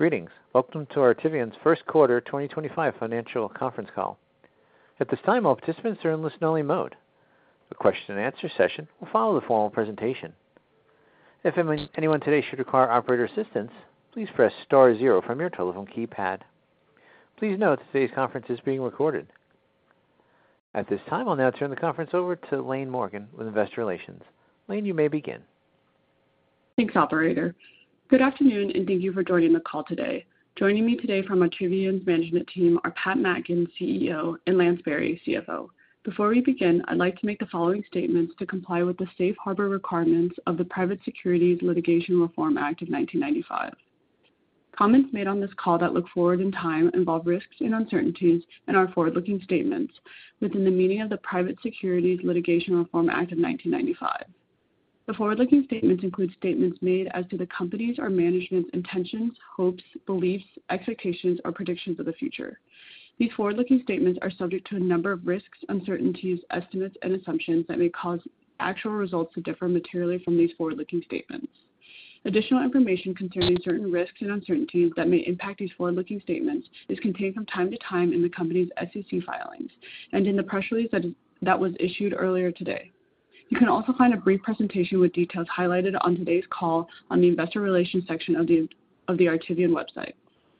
Greetings. Welcome to Artivion's first quarter 2025 financial conference call. At this time, all participants are in listen-only mode. The question-and-answer session will follow the formal presentation. If anyone today should require operator assistance, please press star zero from your telephone keypad. Please note that today's conference is being recorded. At this time, I'll now turn the conference over to Laine Morgan with Investor Relations. Lane, you may begin. Thanks, Operator. Good afternoon, and thank you for joining the call today. Joining me today from Artivion's management team are Pat Mackin, CEO, and Lance Berry, CFO. Before we begin, I'd like to make the following statements to comply with the Safe Harbor requirements of the Private Securities Litigation Reform Act of 1995. Comments made on this call that look forward in time involve risks and uncertainties and are forward-looking statements within the meaning of the Private Securities Litigation Reform Act of 1995. The forward-looking statements include statements made as to the company's or management's intentions, hopes, beliefs, expectations, or predictions of the future. These forward-looking statements are subject to a number of risks, uncertainties, estimates, and assumptions that may cause actual results to differ materially from these forward-looking statements. Additional information concerning certain risks and uncertainties that may impact these forward-looking statements is contained from time to time in the company's SEC filings and in the press release that was issued earlier today. You can also find a brief presentation with details highlighted on today's call on the Investor Relations section of the Artivion website.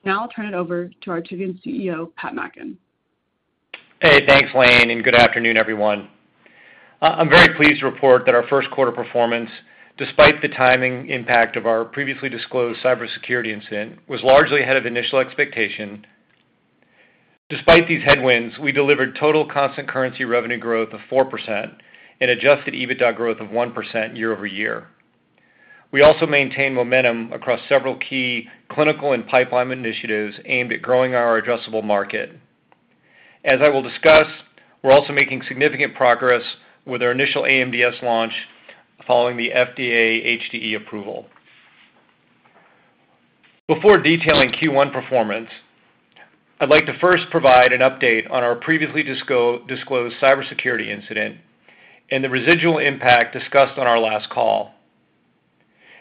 Now I'll turn it over to Artivion's CEO, Pat Mackin. Hey, thanks, Laine, and good afternoon, everyone. I'm very pleased to report that our first quarter performance, despite the timing impact of our previously disclosed cybersecurity incident, was largely ahead of initial expectation. Despite these headwinds, we delivered total constant currency revenue growth of 4% and Adjusted EBITDA growth of 1% year-over-year. We also maintained momentum across several key clinical and pipeline initiatives aimed at growing our addressable market. As I will discuss, we're also making significant progress with our initial AMDS launch following the FDA HDE approval. Before detailing Q1 performance, I'd like to first provide an update on our previously disclosed cybersecurity incident and the residual impact discussed on our last call.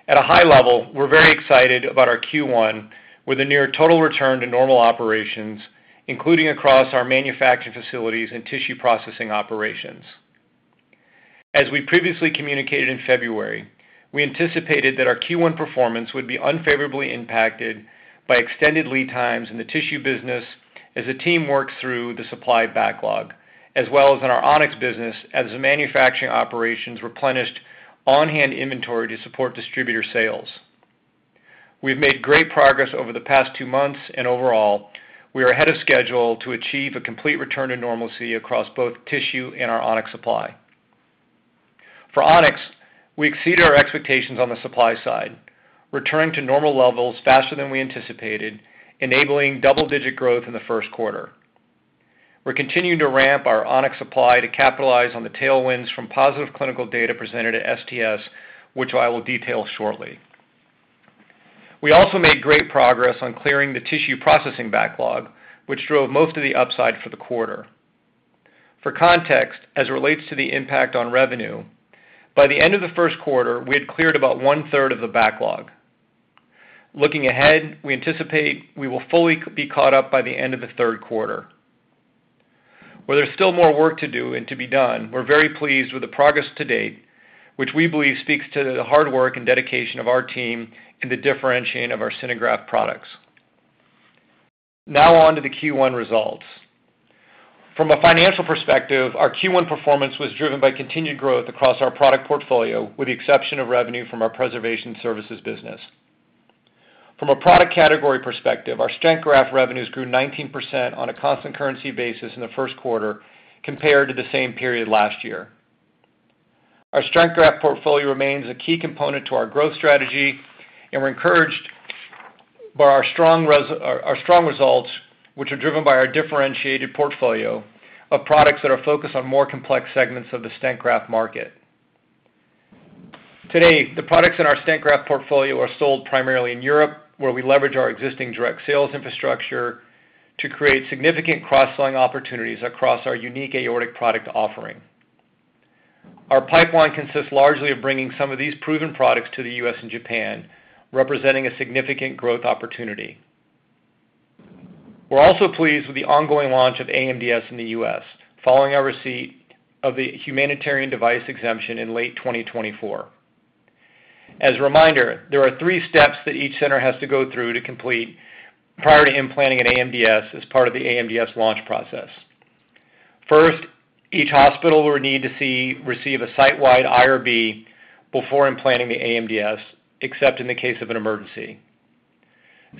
At a high level, we're very excited about our Q1 with a near total return to normal operations, including across our manufacturing facilities and tissue processing operations. As we previously communicated in February, we anticipated that our Q1 performance would be unfavorably impacted by extended lead times in the tissue business as the team works through the supply backlog, as well as in our Onyx business as the manufacturing operations replenished on-hand inventory to support distributor sales. We've made great progress over the past two months, and overall, we are ahead of schedule to achieve a complete return to normalcy across both tissue and our Onyx supply. For Onyx, we exceeded our expectations on the supply side, returning to normal levels faster than we anticipated, enabling double-digit growth in the first quarter. We're continuing to ramp our Onyx supply to capitalize on the tailwinds from positive clinical data presented at STS, which I will detail shortly. We also made great progress on clearing the tissue processing backlog, which drove most of the upside for the quarter. For context, as it relates to the impact on revenue, by the end of the first quarter, we had cleared about one-third of the backlog. Looking ahead, we anticipate we will fully be caught up by the end of the third quarter. Where there's still more work to do and to be done, we're very pleased with the progress to date, which we believe speaks to the hard work and dedication of our team in the differentiating of our SynerGraft products. Now on to the Q1 results. From a financial perspective, our Q1 performance was driven by continued growth across our product portfolio, with the exception of revenue from our preservation services business. From a product category perspective, our Stent Graft revenues grew 19% on a constant currency basis in the first quarter compared to the same period last year. Our Stent Graft portfolio remains a key component to our growth strategy, and we're encouraged by our strong results, which are driven by our differentiated portfolio of products that are focused on more complex segments of the Stent Graft market. Today, the products in our Stent Graft portfolio are sold primarily in Europe, where we leverage our existing direct sales infrastructure to create significant cross-selling opportunities across our unique aortic product offering. Our pipeline consists largely of bringing some of these proven products to the U.S. and Japan, representing a significant growth opportunity. We're also pleased with the ongoing launch of AMDS in the U.S., following our receipt of the Humanitarian Device Exemption in late 2024. As a reminder, there are three steps that each center has to go through to complete prior to implanting an AMDS as part of the AMDS launch process. First, each hospital will need to receive a site-wide IRB before implanting the AMDS, except in the case of an emergency.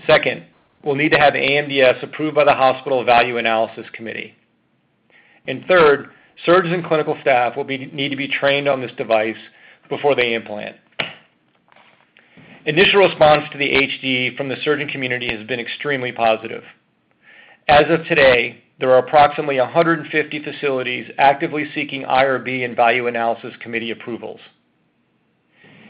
Second, we'll need to have AMDS approved by the Hospital Value Analysis Committee. Third, surgeons and clinical staff will need to be trained on this device before they implant. Initial response to the HDE from the surgeon community has been extremely positive. As of today, there are approximately 150 facilities actively seeking IRB and Value Analysis Committee approvals.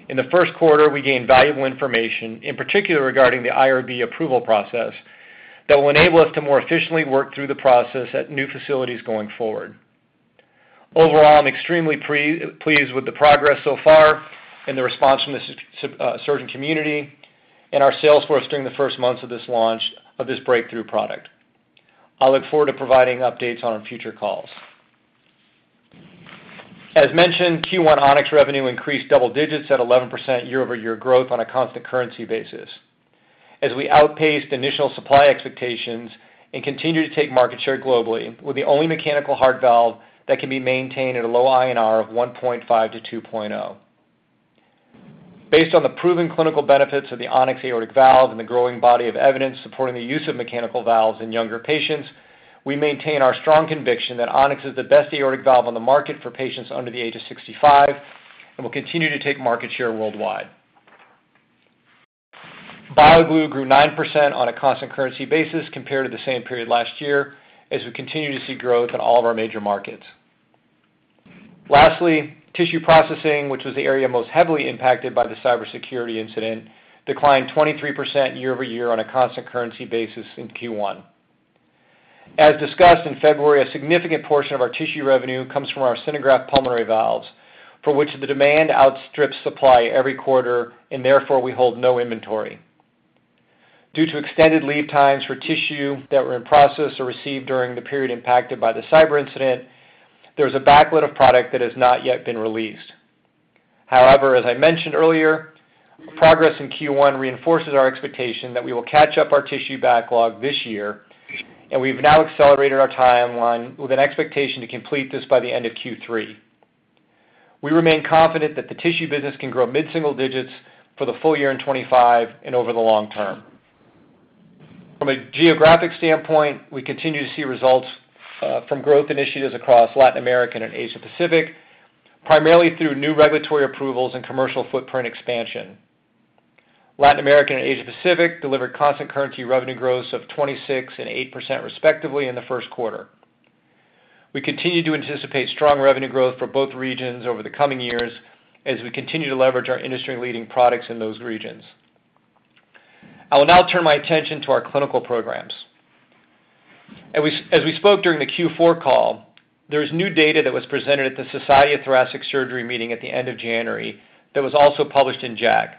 In the first quarter, we gained valuable information, in particular regarding the IRB approval process that will enable us to more efficiently work through the process at new facilities going forward. Overall, I'm extremely pleased with the progress so far and the response from the surgeon community and our salesforce during the first months of this launch of this breakthrough product. I look forward to providing updates on our future calls. As mentioned, Q1 Onyx revenue increased double digits at 11% year-over-year growth on a constant currency basis. As we outpaced initial supply expectations and continue to take market share globally with the only mechanical heart valve that can be maintained at a low INR of 1.5-2.0. Based on the proven clinical benefits of the Onyx aortic valve and the growing body of evidence supporting the use of mechanical valves in younger patients, we maintain our strong conviction that Onyx is the best aortic valve on the market for patients under the age of 65 and will continue to take market share worldwide. BioGlue grew 9% on a constant currency basis compared to the same period last year, as we continue to see growth in all of our major markets. Lastly, tissue processing, which was the area most heavily impacted by the cybersecurity incident, declined 23% year-over-year on a constant currency basis in Q1. As discussed in February, a significant portion of our tissue revenue comes from our SynerGraft pulmonary valves, for which the demand outstrips supply every quarter, and therefore we hold no inventory. Due to extended lead times for tissue that were in process or received during the period impacted by the cybersecurity incident, there is a backlog of product that has not yet been released. However, as I mentioned earlier, progress in Q1 reinforces our expectation that we will catch up our tissue backlog this year, and we've now accelerated our timeline with an expectation to complete this by the end of Q3. We remain confident that the tissue business can grow mid-single digits for the full year in 2025 and over the long term. From a geographic standpoint, we continue to see results from growth initiatives across Latin America and Asia-Pacific, primarily through new regulatory approvals and commercial footprint expansion. Latin America and Asia-Pacific delivered constant currency revenue growths of 26% and 8% respectively in the first quarter. We continue to anticipate strong revenue growth for both regions over the coming years as we continue to leverage our industry-leading products in those regions. I will now turn my attention to our clinical programs. As we spoke during the Q4 call, there is new data that was presented at the Society of Thoracic Surgery meeting at the end of January that was also published in JACC,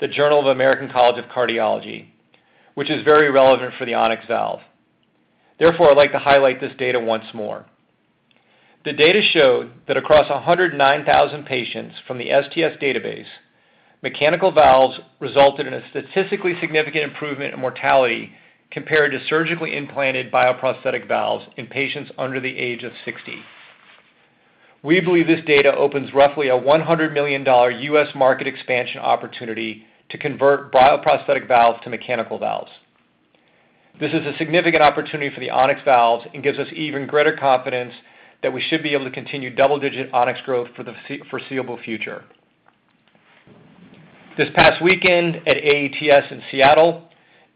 the Journal of the American College of Cardiology, which is very relevant for the Onyx valve. Therefore, I'd like to highlight this data once more. The data showed that across 109,000 patients from the STS database, mechanical valves resulted in a statistically significant improvement in mortality compared to surgically implanted bioprosthetic valves in patients under the age of 60. We believe this data opens roughly a $100 million US market expansion opportunity to convert bioprosthetic valves to mechanical valves. This is a significant opportunity for the Onyx valves and gives us even greater confidence that we should be able to continue double-digit Onyx growth for the foreseeable future. This past weekend at AATS in Seattle,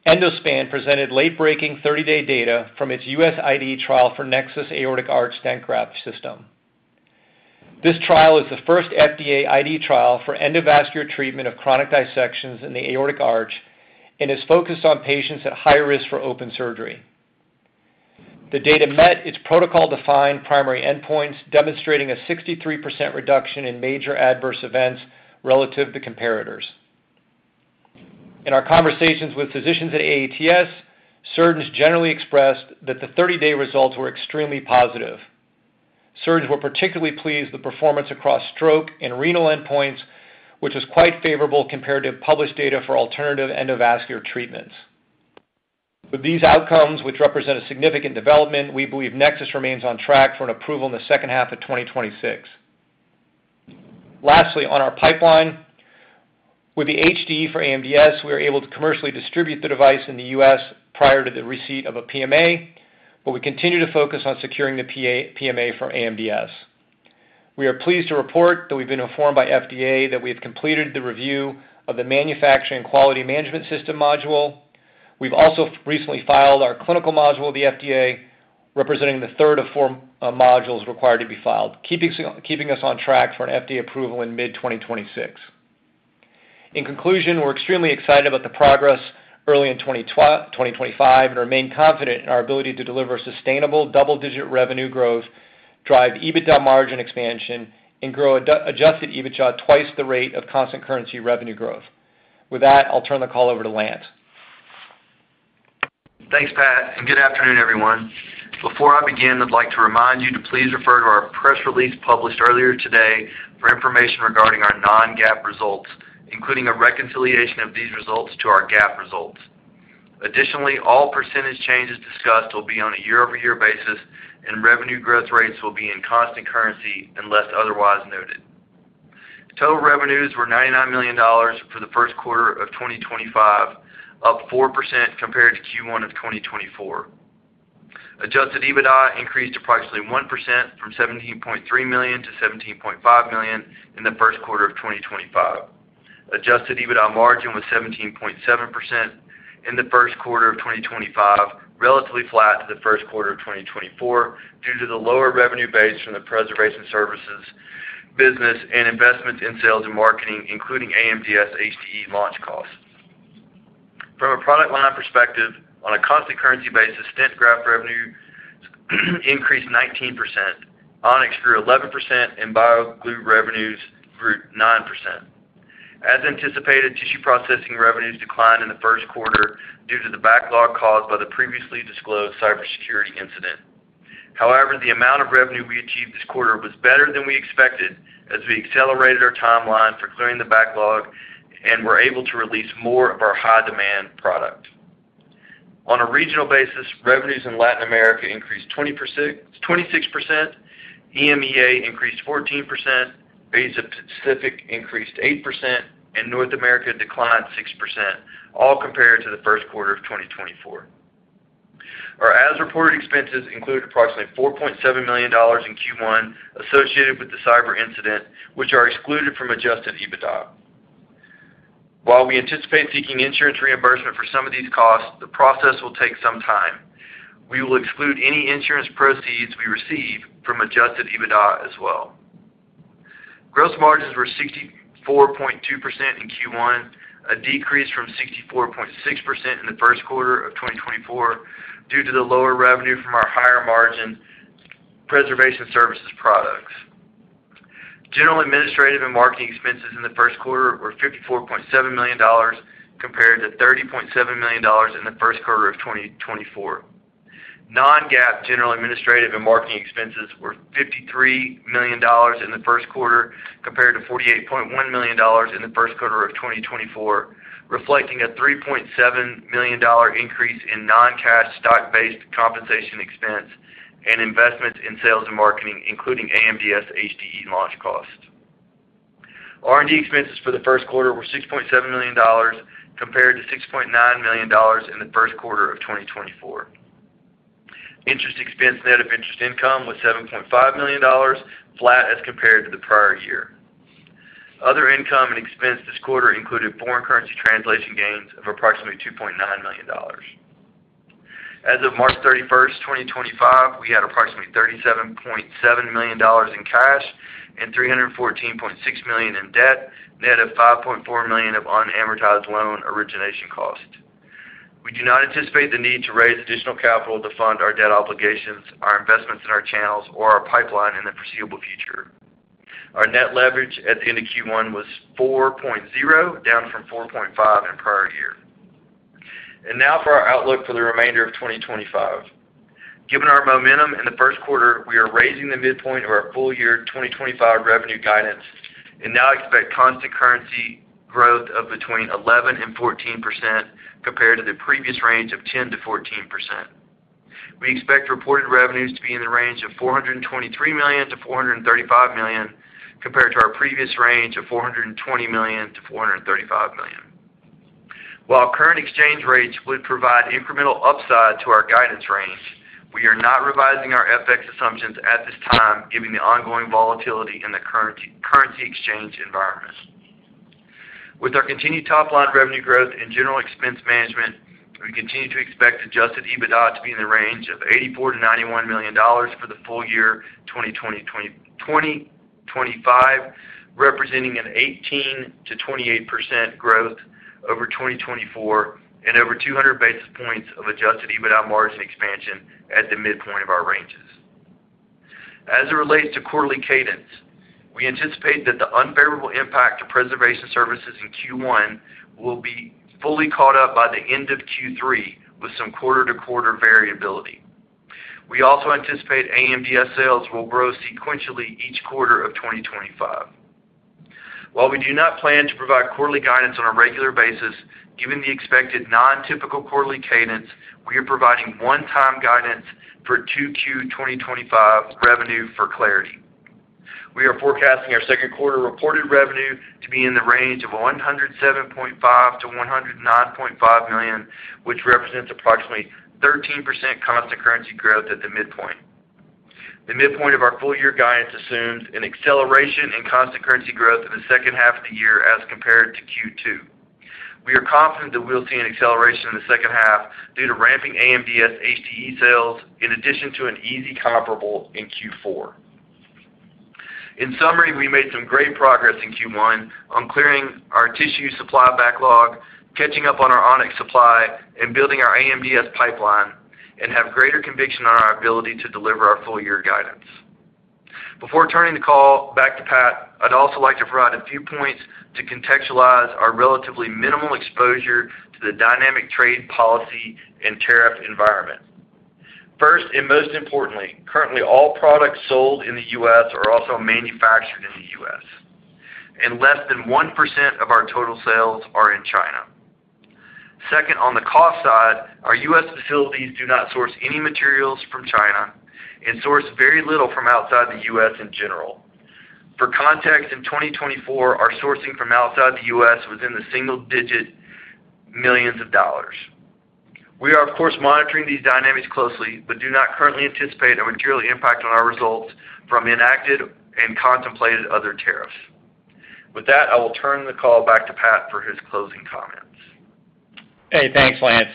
Endospan presented late-breaking 30-day data from its US IDE trial for Nexus Aortic Arch Stent Graft system. This trial is the first FDA IDE trial for endovascular treatment of chronic dissections in the aortic arch and is focused on patients at high risk for open surgery. The data met its protocol-defined primary endpoints, demonstrating a 63% reduction in major adverse events relative to comparators. In our conversations with physicians at AATS, surgeons generally expressed that the 30-day results were extremely positive. Surgeons were particularly pleased with the performance across stroke and renal endpoints, which was quite favorable compared to published data for alternative endovascular treatments. With these outcomes, which represent a significant development, we believe Nexus remains on track for an approval in the second half of 2026. Lastly, on our pipeline, with the HDE for AMDS, we were able to commercially distribute the device in the US prior to the receipt of a PMA, but we continue to focus on securing the PMA for AMDS. We are pleased to report that we've been informed by FDA that we have completed the review of the manufacturing quality management system module. We've also recently filed our clinical module with the FDA, representing the third of four modules required to be filed, keeping us on track for an FDA approval in mid-2026. In conclusion, we're extremely excited about the progress early in 2025 and remain confident in our ability to deliver sustainable double-digit revenue growth, drive EBITDA margin expansion, and grow Adjusted EBITDA twice the rate of constant currency revenue growth. With that, I'll turn the call over to Lance. Thanks, Pat, and good afternoon, everyone. Before I begin, I'd like to remind you to please refer to our press release published earlier today for information regarding our non-GAAP results, including a reconciliation of these results to our GAAP results. Additionally, all percentage changes discussed will be on a year-over-year basis, and revenue growth rates will be in constant currency unless otherwise noted. Total revenues were $99 million for the first quarter of 2025, up 4% compared to Q1 of 2024. Adjusted EBITDA increased approximately 1% from $17.3 million to $17.5 million in the first quarter of 2025. Adjusted EBITDA margin was 17.7% in the first quarter of 2025, relatively flat to the first quarter of 2024 due to the lower revenue base from the preservation services business and investments in sales and marketing, including AMDS HDE launch costs. From a product line perspective, on a constant currency basis, Stent Graft revenues increased 19%. Onyx grew 11%, and BioGlue revenues grew 9%. As anticipated, tissue processing revenues declined in the first quarter due to the backlog caused by the previously disclosed cybersecurity incident. However, the amount of revenue we achieved this quarter was better than we expected as we accelerated our timeline for clearing the backlog and were able to release more of our high-demand product. On a regional basis, revenues in Latin America increased 26%, EMEA increased 14%, Asia-Pacific increased 8%, and North America declined 6%, all compared to the first quarter of 2024. Our as-reported expenses included approximately $4.7 million in Q1 associated with the cyber incident, which are excluded from Adjusted EBITDA. While we anticipate seeking insurance reimbursement for some of these costs, the process will take some time. We will exclude any insurance proceeds we receive from Adjusted EBITDA as well. Gross margins were 64.2% in Q1, a decrease from 64.6% in the first quarter of 2024 due to the lower revenue from our higher margin preservation services products. General administrative and marketing expenses in the first quarter were $54.7 million compared to $30.7 million in the first quarter of 2024. Non-GAAP general administrative and marketing expenses were $53 million in the first quarter compared to $48.1 million in the first quarter of 2024, reflecting a $3.7 million increase in non-cash stock-based compensation expense and investments in sales and marketing, including AMDS HDE launch cost. R&D expenses for the first quarter were $6.7 million compared to $6.9 million in the first quarter of 2024. Interest expense net of interest income was $7.5 million, flat as compared to the prior year. Other income and expense this quarter included foreign currency translation gains of approximately $2.9 million. As of March 31, 2025, we had approximately $37.7 million in cash and $314.6 million in debt, net of $5.4 million of unamortized loan origination cost. We do not anticipate the need to raise additional capital to fund our debt obligations, our investments in our channels, or our pipeline in the foreseeable future. Our net leverage at the end of Q1 was 4.0, down from 4.5 in the prior year. Now for our outlook for the remainder of 2025. Given our momentum in the first quarter, we are raising the midpoint of our full year 2025 revenue guidance and now expect constant currency growth of between 11% and 14% compared to the previous range of 10%-14%. We expect reported revenues to be in the range of $423 million-$435 million compared to our previous range of $420 million-$435 million. While current exchange rates would provide incremental upside to our guidance range, we are not revising our FX assumptions at this time, given the ongoing volatility in the currency exchange environment. With our continued top-line revenue growth and general expense management, we continue to expect Adjusted EBITDA to be in the range of $84-$91 million for the full year 2025, representing an 18%-28% growth over 2024 and over 200 basis points of Adjusted EBITDA margin expansion at the midpoint of our ranges. As it relates to quarterly cadence, we anticipate that the unfavorable impact to preservation services in Q1 will be fully caught up by the end of Q3 with some quarter-to-quarter variability. We also anticipate AMDS sales will grow sequentially each quarter of 2025. While we do not plan to provide quarterly guidance on a regular basis, given the expected non-typical quarterly cadence, we are providing one-time guidance for Q2 2025 revenue for clarity. We are forecasting our second quarter reported revenue to be in the range of $107.5 million-$109.5 million, which represents approximately 13% constant currency growth at the midpoint. The midpoint of our full year guidance assumes an acceleration in constant currency growth in the second half of the year as compared to Q2. We are confident that we'll see an acceleration in the second half due to ramping AMDS HDE sales, in addition to an easy comparable in Q4. In summary, we made some great progress in Q1 on clearing our tissue supply backlog, catching up on our Onyx supply, and building our AMDS pipeline, and have greater conviction on our ability to deliver our full year guidance. Before turning the call back to Pat, I'd also like to provide a few points to contextualize our relatively minimal exposure to the dynamic trade policy and tariff environment. First, and most importantly, currently all products sold in the U.S. are also manufactured in the U.S., and less than 1% of our total sales are in China. Second, on the cost side, our U.S. facilities do not source any materials from China and source very little from outside the U.S. in general. For context, in 2024, our sourcing from outside the U.S. was in the single-digit millions of dollars. We are, of course, monitoring these dynamics closely, but do not currently anticipate a material impact on our results from enacted and contemplated other tariffs. With that, I will turn the call back to Pat for his closing comments. Hey, thanks, Lance.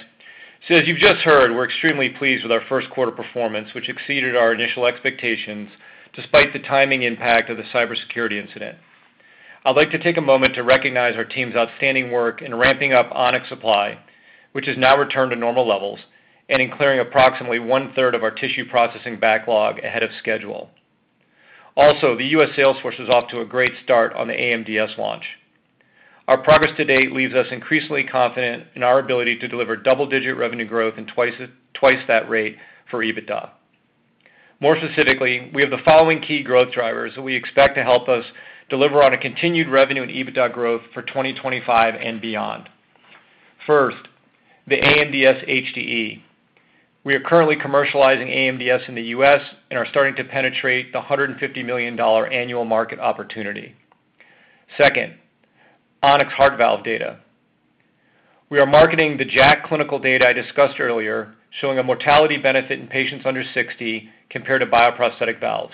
As you've just heard, we're extremely pleased with our first quarter performance, which exceeded our initial expectations despite the timing impact of the cybersecurity incident. I'd like to take a moment to recognize our team's outstanding work in ramping up Onyx supply, which has now returned to normal levels, and in clearing approximately one-third of our tissue processing backlog ahead of schedule. Also, the US sales force was off to a great start on the AMDS launch. Our progress to date leaves us increasingly confident in our ability to deliver double-digit revenue growth and twice that rate for EBITDA. More specifically, we have the following key growth drivers that we expect to help us deliver on continued revenue and EBITDA growth for 2025 and beyond. First, the AMDS HDE. We are currently commercializing AMDS in the U.S. and are starting to penetrate the $150 million annual market opportunity. Second, Onyx heart valve data. We are marketing the JACC clinical data I discussed earlier, showing a mortality benefit in patients under 60 compared to bioprosthetic valves.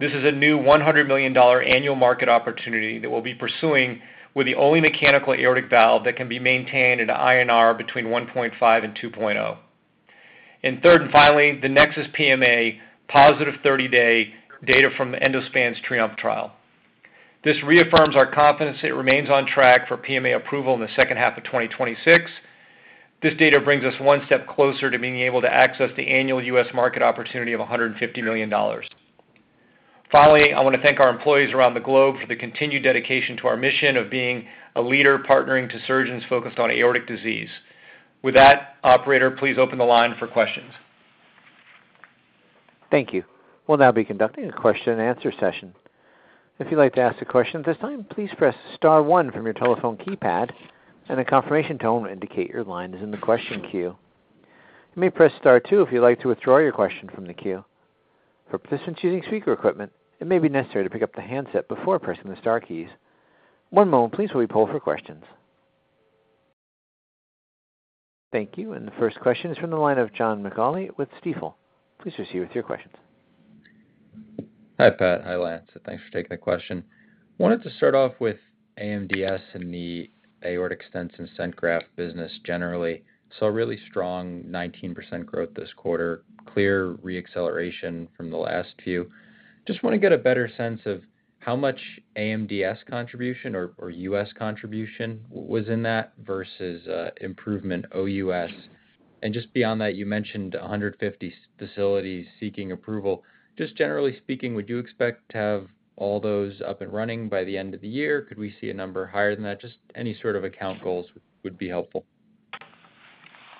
This is a new $100 million annual market opportunity that we'll be pursuing with the only mechanical aortic valve that can be maintained in INR between 1.5 and 2.0. Third and finally, the Nexus PMA positive 30-day data from Endospan's TRIOMPHE trial. This reaffirms our confidence that it remains on track for PMA approval in the second half of 2026. This data brings us one step closer to being able to access the annual U.S. market opportunity of $150 million. Finally, I want to thank our employees around the globe for the continued dedication to our mission of being a leader partnering to surgeons focused on aortic disease. With that, Operator, please open the line for questions. Thank you. We'll now be conducting a question-and-answer session. If you'd like to ask a question at this time, please press star one from your telephone keypad, and a confirmation tone will indicate your line is in the question queue. You may press star two if you'd like to withdraw your question from the queue. For participants using speaker equipment, it may be necessary to pick up the handset before pressing the Star keys. One moment, please, while we pull for questions. Thank you. The first question is from the line of John McAuley with Stifel. Please proceed with your questions. Hi, Pat. Hi, Lance. Thanks for taking the question. Wanted to start off with AMDS and the aortic stents and Stent Graft business generally. Saw really strong 19% growth this quarter, clear re-acceleration from the last few. Just want to get a better sense of how much AMDS contribution or US contribution was in that versus improvement OUS. Just beyond that, you mentioned 150 facilities seeking approval. Just generally speaking, would you expect to have all those up and running by the end of the year? Could we see a number higher than that? Just any sort of account goals would be helpful.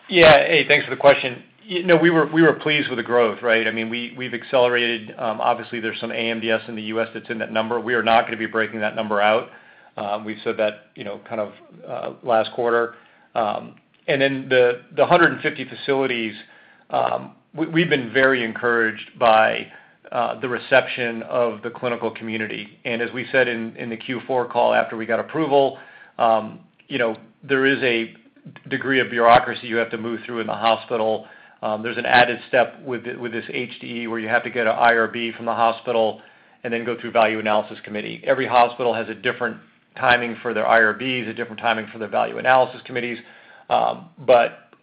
Yeah. Hey, thanks for the question. No, we were pleased with the growth, right? I mean, we've accelerated. Obviously, there's some AMDS in the U.S. that's in that number. We are not going to be breaking that number out. We said that kind of last quarter. The 150 facilities, we've been very encouraged by the reception of the clinical community. As we said in the Q4 call after we got approval, there is a degree of bureaucracy you have to move through in the hospital. There's an added step with this HDE where you have to get an IRB from the hospital and then go through value analysis committee. Every hospital has a different timing for their IRBs, a different timing for their value analysis committees. Of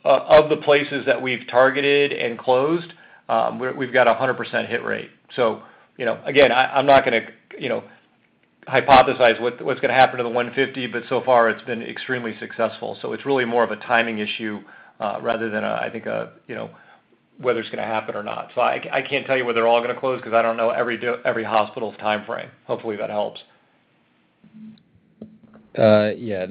the places that we've targeted and closed, we've got a 100% hit rate. I'm not going to hypothesize what's going to happen to the 150, but so far, it's been extremely successful. It's really more of a timing issue rather than, I think, whether it's going to happen or not. I can't tell you whether they're all going to close because I don't know every hospital's timeframe. Hopefully, that helps. Yeah.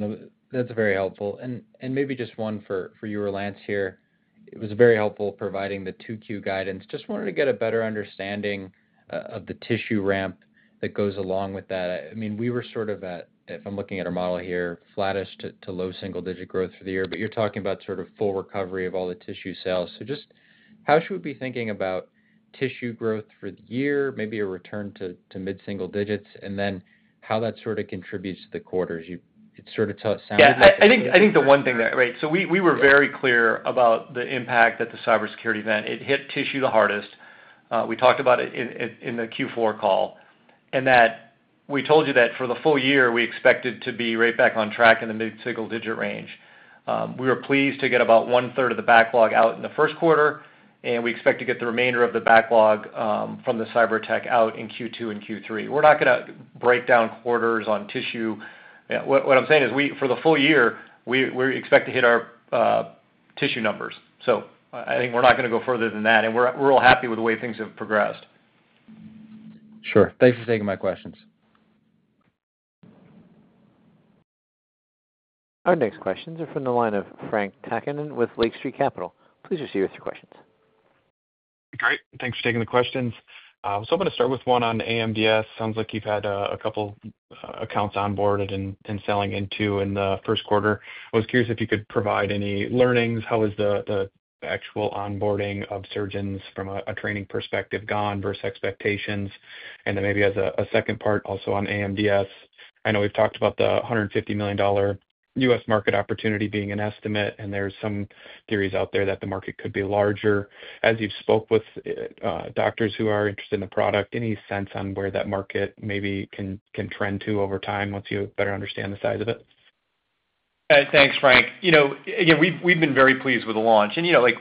That's very helpful. Maybe just one for you or Lance here. It was very helpful providing the two-queue guidance. Just wanted to get a better understanding of the tissue ramp that goes along with that. I mean, we were sort of at, if I'm looking at our model here, flattish to low single-digit growth for the year, but you're talking about sort of full recovery of all the tissue sales. Just how should we be thinking about tissue growth for the year, maybe a return to mid-single digits, and then how that sort of contributes to the quarters? It sort of sounded like. Yeah. I think the one thing there, right? We were very clear about the impact that the cybersecurity event. It hit tissue the hardest. We talked about it in the Q4 call. We told you that for the full year, we expected to be right back on track in the mid-single digit range. We were pleased to get about one-third of the backlog out in the first quarter, and we expect to get the remainder of the backlog from the cyber tech out in Q2 and Q3. We're not going to break down quarters on tissue. What I'm saying is for the full year, we expect to hit our tissue numbers. I think we're not going to go further than that. We're all happy with the way things have progressed. Sure. Thanks for taking my questions. Our next questions are from the line of Frank Takkinen with Lake Street Capital. Please proceed with your questions. Great. Thanks for taking the questions. I'm going to start with one on AMDS. Sounds like you've had a couple of accounts onboarded and selling into in the first quarter. I was curious if you could provide any learnings. How has the actual onboarding of surgeons from a training perspective gone versus expectations? Maybe as a second part, also on AMDS, I know we've talked about the $150 million US market opportunity being an estimate, and there's some theories out there that the market could be larger. As you've spoke with doctors who are interested in the product, any sense on where that market maybe can trend to over time once you better understand the size of it? Thanks, Frank. Again, we've been very pleased with the launch.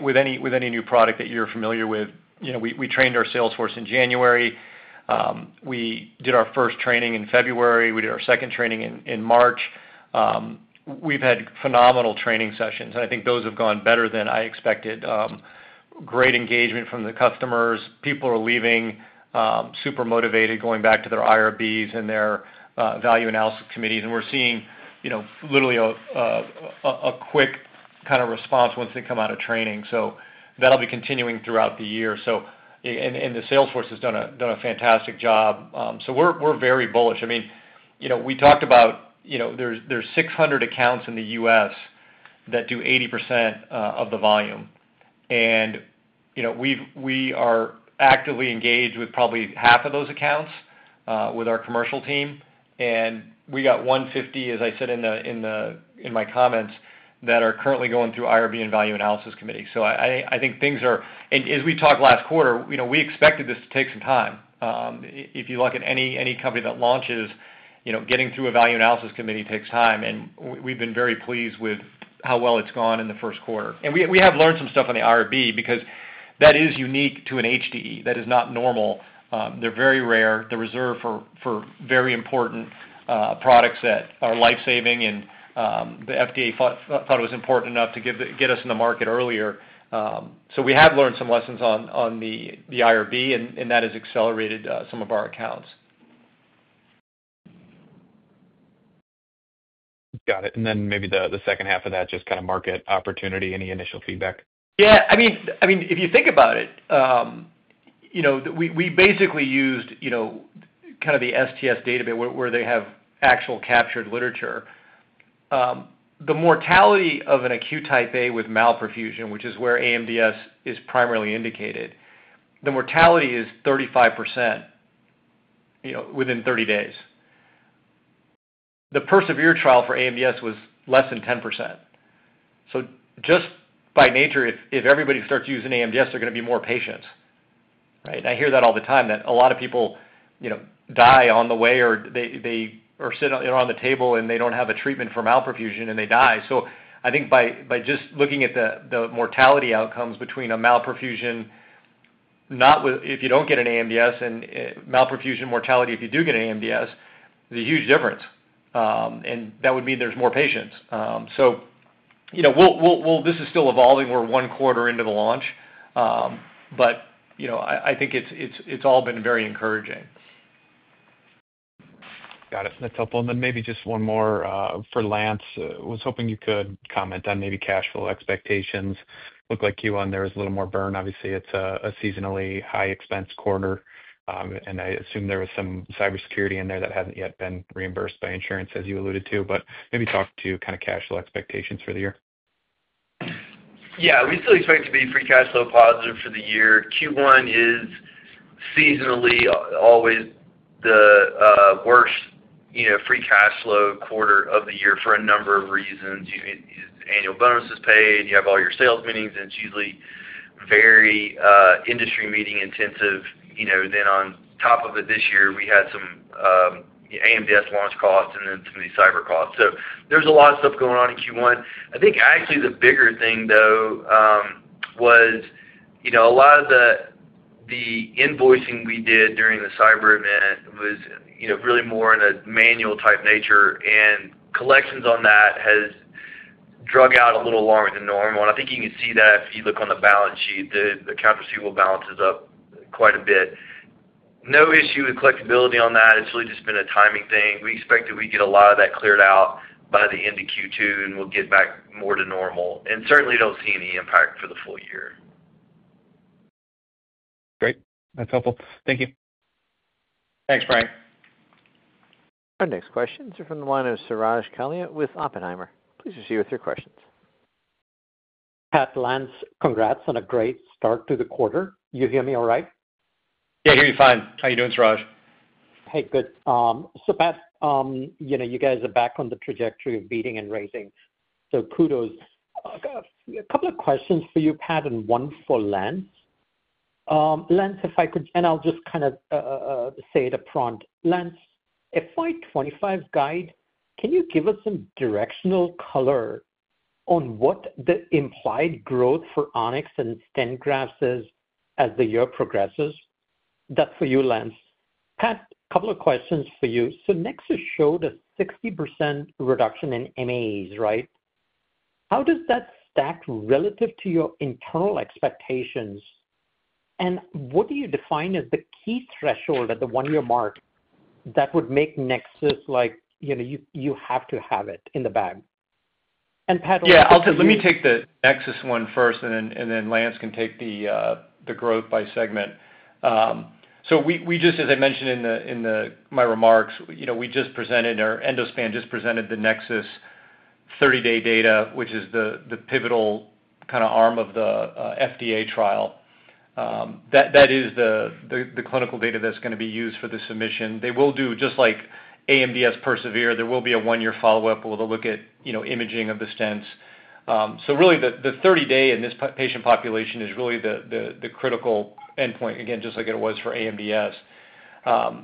With any new product that you're familiar with, we trained our sales force in January. We did our first training in February. We did our second training in March. We've had phenomenal training sessions, and I think those have gone better than I expected. Great engagement from the customers. People are leaving super motivated, going back to their IRBs and their value analysis committees. We're seeing literally a quick kind of response once they come out of training. That'll be continuing throughout the year. The sales force has done a fantastic job. We're very bullish. I mean, we talked about there's 600 accounts in the U.S. that do 80% of the volume. We are actively engaged with probably half of those accounts with our commercial team. We got 150, as I said in my comments, that are currently going through IRB and Value Analysis Committee. I think things are—as we talked last quarter, we expected this to take some time. If you look at any company that launches, getting through a Value Analysis Committee takes time. We have been very pleased with how well it's gone in the first quarter. We have learned some stuff on the IRB because that is unique to an HDE. That is not normal. They're very rare. They're reserved for very important products that are lifesaving. The FDA thought it was important enough to get us in the market earlier. We have learned some lessons on the IRB, and that has accelerated some of our accounts. Got it. Maybe the second half of that, just kind of market opportunity, any initial feedback? Yeah. I mean, if you think about it, we basically used kind of the STS database where they have actual captured literature. The mortality of an acute type A with malperfusion, which is where AMDS is primarily indicated, the mortality is 35% within 30 days. The Persevere trial for AMDS was less than 10%. Just by nature, if everybody starts using AMDS, there are going to be more patients, right? I hear that all the time, that a lot of people die on the way or they are sitting on the table, and they don't have a treatment for malperfusion, and they die. I think by just looking at the mortality outcomes between a malperfusion, not if you don't get an AMDS, and malperfusion mortality if you do get an AMDS, there's a huge difference. That would mean there's more patients. This is still evolving. We're one quarter into the launch, but I think it's all been very encouraging. Got it. That's helpful. Maybe just one more for Lance. I was hoping you could comment on maybe cash flow expectations. Looked like Q1, there was a little more burn. Obviously, it's a seasonally high-expense quarter, and I assume there was some cybersecurity in there that hasn't yet been reimbursed by insurance, as you alluded to. Maybe talk to kind of cash flow expectations for the year. Yeah. We still expect to be free cash flow positive for the year. Q1 is seasonally always the worst free cash flow quarter of the year for a number of reasons. Annual bonuses paid, you have all your sales meetings, and it is usually very industry meeting intensive. On top of it, this year, we had some AMDS launch costs and some of these cyber costs. There is a lot of stuff going on in Q1. I think actually the bigger thing, though, was a lot of the invoicing we did during the cyber event was really more in a manual-type nature. Collections on that has dragged out a little longer than normal. I think you can see that if you look on the balance sheet, the account receivable balance is up quite a bit. No issue with collectibility on that. It's really just been a timing thing. We expect that we get a lot of that cleared out by the end of Q2, and we'll get back more to normal. We certainly don't see any impact for the full year. Great. That's helpful. Thank you. Thanks, Frank. Our next questions are from the line of Suraj Kalia with Oppenheimer. Please proceed with your questions. Pat, Lance, congrats on a great start to the quarter. You hear me all right? Yeah, I hear you fine. How are you doing, Suraj? Hey, good. Pat, you guys are back on the trajectory of beating and racing. Kudos. A couple of questions for you, Pat, and one for Lance. Lance, if I could—and I'll just kind of say it upfront. Lance, if my 25-guide, can you give us some directional color on what the implied growth for On-X and Stent Grafts is as the year progresses? That's for you, Lance. Pat, a couple of questions for you. Nexus showed a 60% reduction in MAEs, right? How does that stack relative to your internal expectations? What do you define as the key threshold at the one-year mark that would make Nexus like, "You have to have it in the bag"? Pat, what's your— Yeah. Let me take the Nexus one first, and then Lance can take the growth by segment. As I mentioned in my remarks, we just presented—our Endospan just presented—the Nexus 30-day data, which is the pivotal kind of arm of the FDA trial. That is the clinical data that's going to be used for the submission. They will do, just like AMDS Persevere, a one-year follow-up where they'll look at imaging of the stents. Really, the 30-day in this patient population is the critical endpoint, again, just like it was for AMDS. I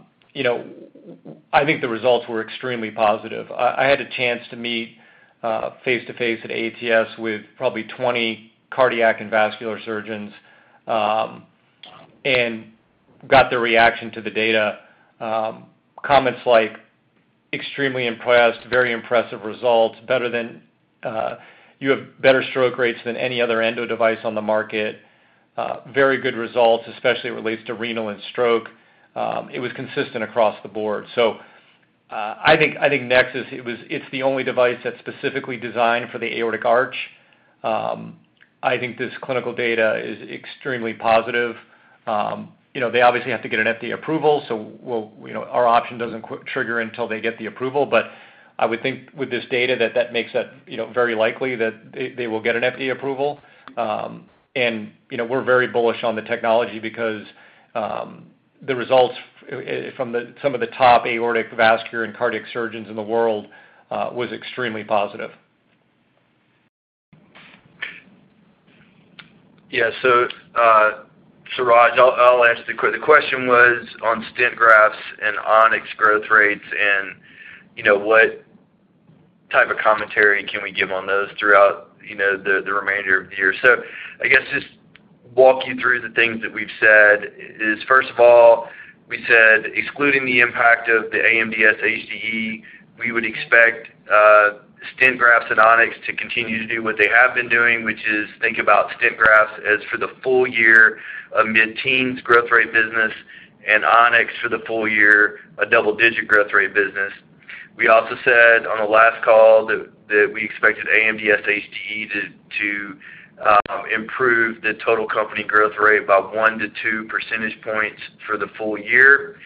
think the results were extremely positive. I had a chance to meet face-to-face at ATS with probably 20 cardiac and vascular surgeons and got their reaction to the data. Comments like, "Extremely impressed, very impressive results, better than you have better stroke rates than any other endo device on the market, very good results, especially it relates to renal and stroke." It was consistent across the board. I think Nexus, it's the only device that's specifically designed for the aortic arch. I think this clinical data is extremely positive. They obviously have to get an FDA approval, so our option doesn't trigger until they get the approval. I would think with this data that that makes it very likely that they will get an FDA approval. We're very bullish on the technology because the results from some of the top aortic, vascular, and cardiac surgeons in the world was extremely positive. Yeah. Suraj, I'll answer the question. The question was on Stent Grafts and On-X growth rates and what type of commentary can we give on those throughout the remainder of the year? I guess just walk you through the things that we've said is, first of all, we said excluding the impact of the AMDS HDE, we would expect Stent Grafts and On-X to continue to do what they have been doing, which is think about Stent Grafts as for the full year, a mid-teens growth rate business, and On-X for the full year, a double-digit growth rate business. We also said on the last call that we expected AMDS HDE to improve the total company growth rate by 1-2 percentage points for the full year.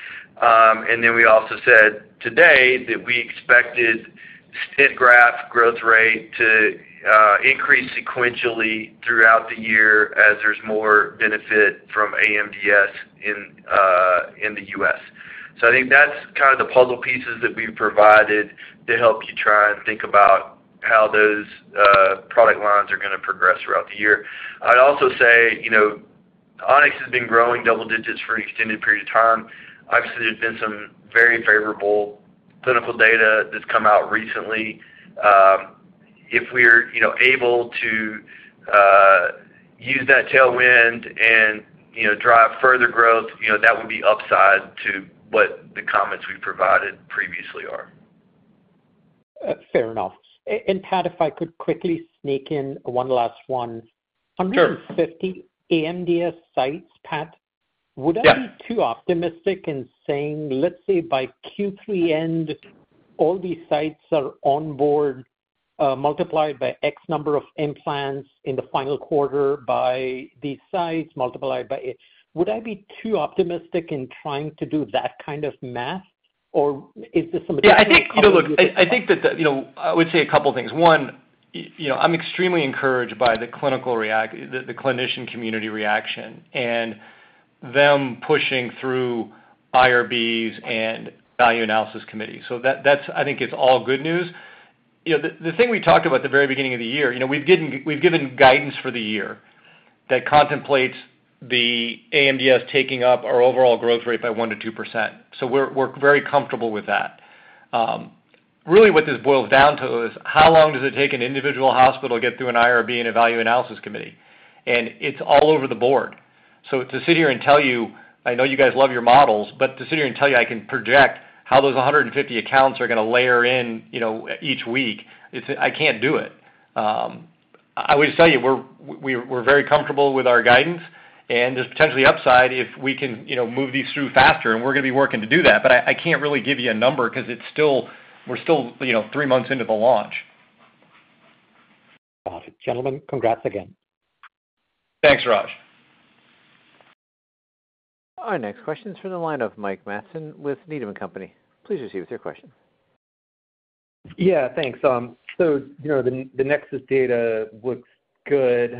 We also said today that we expected Stent Graft growth rate to increase sequentially throughout the year as there is more benefit from AMDS in the U.S. I think that is kind of the puzzle pieces that we have provided to help you try and think about how those product lines are going to progress throughout the year. I would also say On-X has been growing double digits for an extended period of time. Obviously, there has been some very favorable clinical data that has come out recently. If we are able to use that tailwind and drive further growth, that would be upside to what the comments we have provided previously are. Fair enough. Pat, if I could quickly sneak in one last one. Sure. 150 AMDS sites, Pat, would I be too optimistic in saying, "Let's say by Q3 end, all these sites are on board, multiplied by X number of implants in the final quarter by these sites, multiplied by X"? Would I be too optimistic in trying to do that kind of math? Or is this a— Yeah. I think, look, I think that I would say a couple of things. One, I'm extremely encouraged by the clinician community reaction and them pushing through IRBs and value analysis committees. I think it's all good news. The thing we talked about at the very beginning of the year, we've given guidance for the year that contemplates the AMDS taking up our overall growth rate by 1-2%. We're very comfortable with that. Really, what this boils down to is how long does it take an individual hospital to get through an IRB and a value analysis committee? It's all over the board. To sit here and tell you, I know you guys love your models, but to sit here and tell you I can project how those 150 accounts are going to layer in each week, I can't do it. I would just tell you, we're very comfortable with our guidance, and there's potentially upside if we can move these through faster, and we're going to be working to do that. I can't really give you a number because we're still three months into the launch. Got it. Gentlemen, congrats again. Thanks, Suraj. Our next question is from the line of Mike Matson with Needham & Company. Please proceed with your question. Yeah. Thanks. The Nexus data looks good,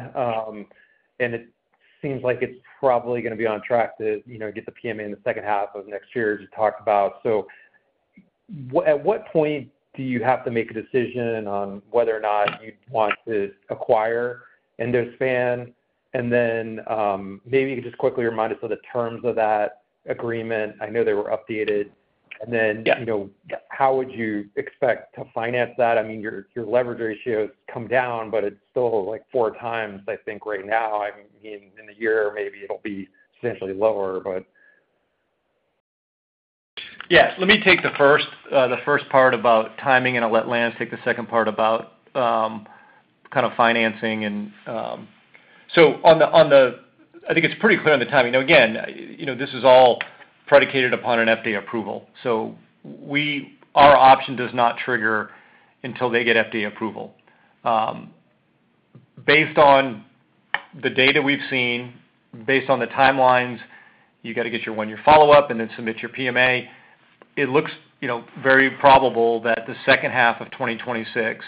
and it seems like it's probably going to be on track to get the PMA in the second half of next year to talk about. At what point do you have to make a decision on whether or not you'd want to acquire Endospan? Maybe you could just quickly remind us of the terms of that agreement. I know they were updated. How would you expect to finance that? I mean, your leverage ratio has come down, but it's still like four times, I think, right now. I mean, in a year, maybe it'll be substantially lower, but. Yes. Let me take the first part about timing, and I'll let Lance take the second part about kind of financing. On the—I think it's pretty clear on the timing. Now, again, this is all predicated upon an FDA approval. Our option does not trigger until they get FDA approval. Based on the data we've seen, based on the timelines, you got to get your one-year follow-up and then submit your PMA. It looks very probable that the second half of 2026,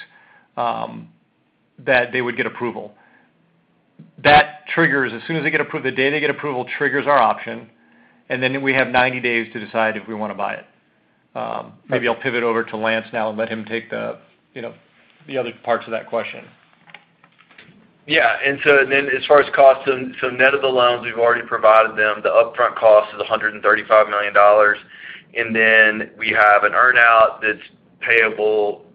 that they would get approval. That triggers—as soon as they get approved, the day they get approval triggers our option, and then we have 90 days to decide if we want to buy it. Maybe I'll pivot over to Lance now and let him take the other parts of that question. Yeah. As far as cost, net of the loans we've already provided them, the upfront cost is $135 million. We have an earn-out that's payable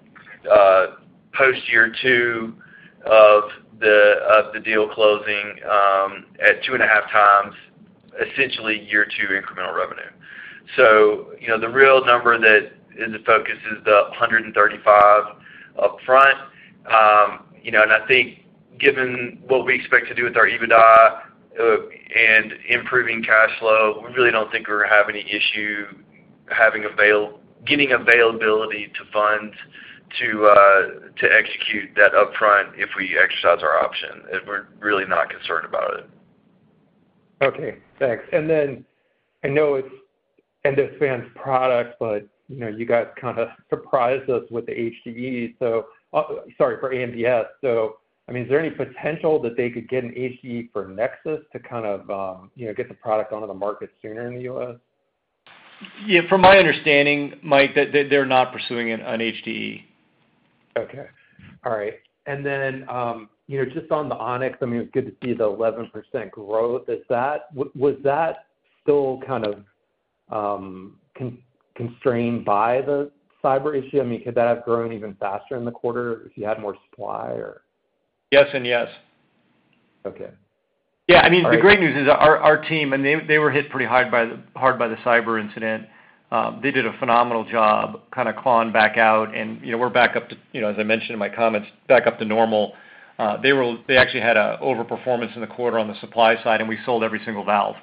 post-year two of the deal closing at two and a half times, essentially year two incremental revenue. The real number that is the focus is the $135 million upfront. I think given what we expect to do with our EBITDA and improving cash flow, we really don't think we're going to have any issue getting availability to funds to execute that upfront if we exercise our option. We're really not concerned about it. Okay. Thanks. I know it's Endospan's product, but you guys kind of surprised us with the HDE. Sorry, for AMDS. I mean, is there any potential that they could get an HDE for Nexus to kind of get the product onto the market sooner in the US? Yeah. From my understanding, Mike, they're not pursuing an HDE. Okay. All right. And then just on the On-X, I mean, it's good to see the 11% growth. Was that still kind of constrained by the cyber issue? I mean, could that have grown even faster in the quarter if you had more supply, or? Yes and yes. Okay. Yeah. I mean, the great news is our team—and they were hit pretty hard by the cyber incident—they did a phenomenal job kind of clawing back out. We're back up to, as I mentioned in my comments, back up to normal. They actually had an overperformance in the quarter on the supply side, and we sold every single valve.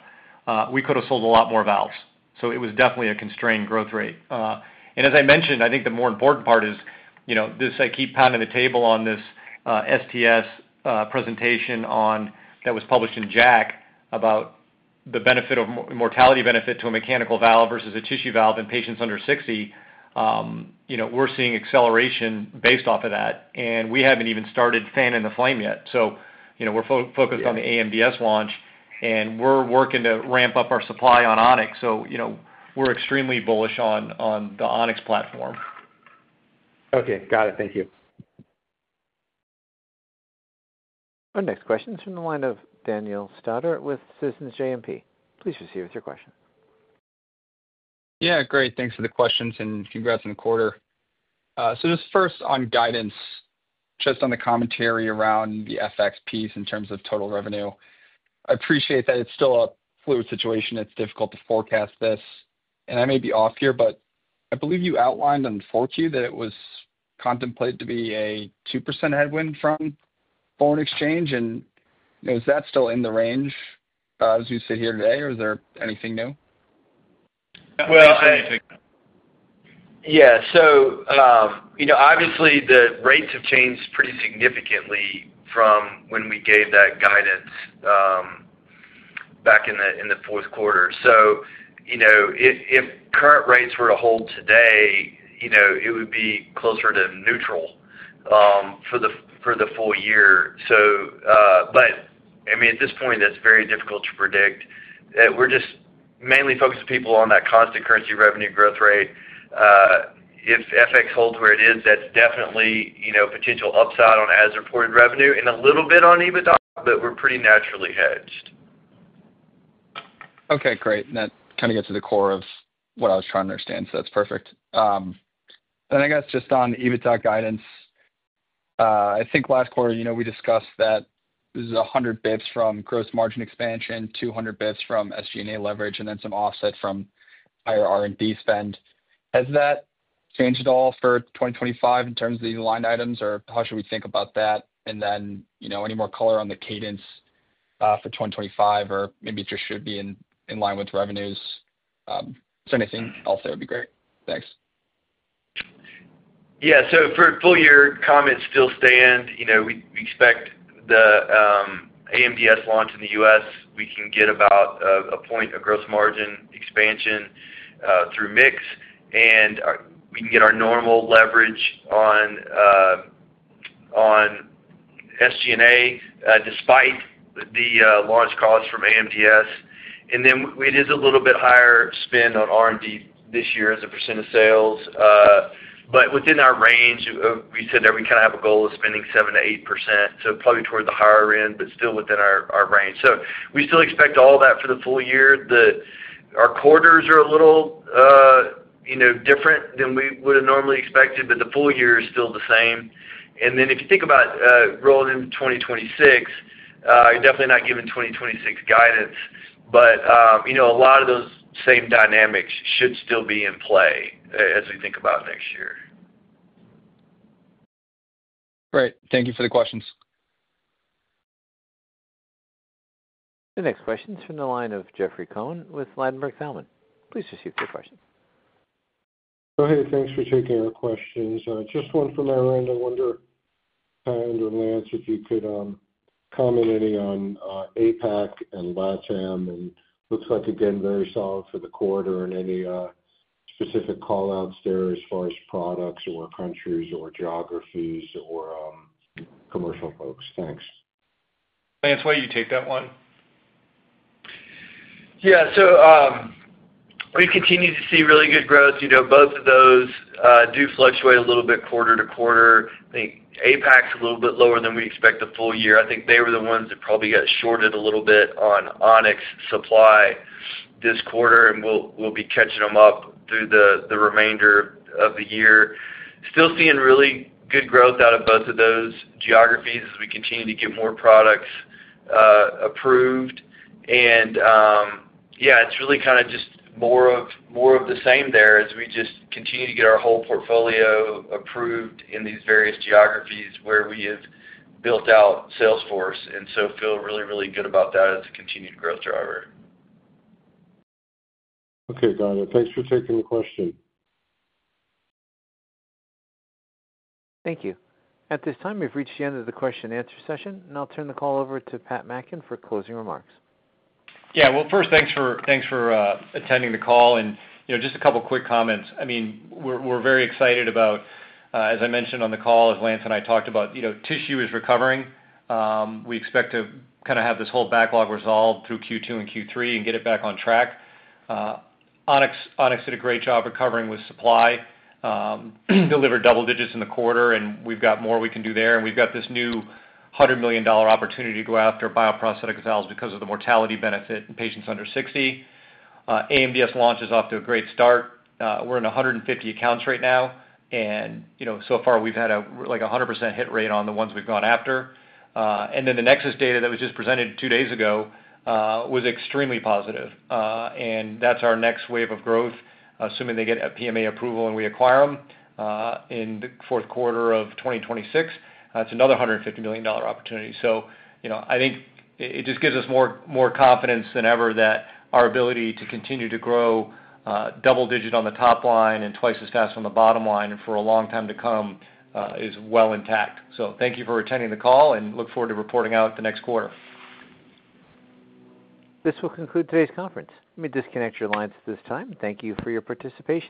We could have sold a lot more valves. It was definitely a constrained growth rate. I think the more important part is this I keep pounding the table on this STS presentation that was published in JACC about the mortality benefit to a mechanical valve versus a tissue valve in patients under 60. We're seeing acceleration based off of that, and we haven't even started fanning the flame yet. We're focused on the AMDS launch, and we're working to ramp up our supply on On-X. We're extremely bullish on the On-X platform. Okay. Got it. Thank you. Our next question is from the line of Daniel Stauder with Citizens JMP. Please proceed with your question. Yeah. Great. Thanks for the questions, and congrats on the quarter. Just first on guidance, just on the commentary around the FX piece in terms of total revenue, I appreciate that it's still a fluid situation. It's difficult to forecast this. I may be off here, but I believe you outlined on the fourth year that it was contemplated to be a 2% headwind from foreign exchange. Is that still in the range as we sit here today, or is there anything new? Well. Yeah. Obviously, the rates have changed pretty significantly from when we gave that guidance back in the fourth quarter. If current rates were to hold today, it would be closer to neutral for the full year. I mean, at this point, that's very difficult to predict. We're just mainly focusing people on that constant currency revenue growth rate. If FX holds where it is, that's definitely potential upside on as reported revenue and a little bit on EBITDA, but we're pretty naturally hedged. Okay. Great. That kind of gets to the core of what I was trying to understand. That is perfect. I guess just on EBITDA guidance, I think last quarter we discussed that it was 100 basis points from gross margin expansion, 200 basis points from SG&A leverage, and then some offset from higher R&D spend. Has that changed at all for 2025 in terms of the line items, or how should we think about that? Any more color on the cadence for 2025, or maybe it just should be in line with revenues? If there is anything else, that would be great. Thanks. Yeah. For full-year comments still stand. We expect the AMDS launch in the US, we can get about a point of gross margin expansion through mix, and we can get our normal leverage on SG&A despite the large costs from AMDS. It is a little bit higher spend on R&D this year as a percent of sales. Within our range, we said that we kind of have a goal of spending 7-8%, so probably toward the higher end, but still within our range. We still expect all that for the full year. Our quarters are a little different than we would have normally expected, but the full year is still the same. If you think about rolling into 2026, you're definitely not giving 2026 guidance, but a lot of those same dynamics should still be in play as we think about next year. Great. Thank you for the questions. The next question is from the line of Jeffrey Cohen with Ladenburg Thalmann. Please proceed with your question. Hey. Thanks for taking our questions. Just one from my friend. I wonder if Lance, if you could comment any on APAC and LATAM, and looks like, again, very solid for the quarter and any specific callouts there as far as products or countries or geographies or commercial folks. Thanks. Lance, why don't you take that one? Yeah. We continue to see really good growth. Both of those do fluctuate a little bit quarter to quarter. I think APAC's a little bit lower than we expect for the full year. I think they were the ones that probably got shorted a little bit on On-X supply this quarter, and we'll be catching them up through the remainder of the year. Still seeing really good growth out of both of those geographies as we continue to get more products approved. Yeah, it's really kind of just more of the same there as we just continue to get our whole portfolio approved in these various geographies where we have built out Salesforce. I feel really, really good about that as a continued growth driver. Okay. Got it. Thanks for taking the question. Thank you. At this time, we've reached the end of the question-and-answer session, and I'll turn the call over to Pat Mackin for closing remarks. Yeah. First, thanks for attending the call. Just a couple of quick comments. I mean, we're very excited about, as I mentioned on the call, as Lance and I talked about, tissue is recovering. We expect to kind of have this whole backlog resolved through Q2 and Q3 and get it back on track. On-X did a great job recovering with supply, delivered double digits in the quarter, and we've got more we can do there. We've got this new $100 million opportunity to go after bioprosthetic valves because of the mortality benefit in patients under 60. AMDS launch is off to a great start. We're in 150 accounts right now, and so far, we've had a 100% hit rate on the ones we've gone after. The Nexus data that was just presented two days ago was extremely positive. That is our next wave of growth, assuming they get a PMA approval and we acquire them in the fourth quarter of 2026. That is another $150 million opportunity. I think it just gives us more confidence than ever that our ability to continue to grow double digit on the top line and twice as fast on the bottom line for a long time to come is well intact. Thank you for attending the call, and look forward to reporting out the next quarter. This will conclude today's conference. Let me disconnect your lines at this time. Thank you for your participation.